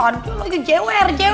anjolah ya jewer jewer